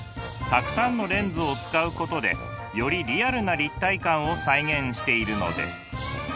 たくさんのレンズを使うことでよりリアルな立体感を再現しているのです。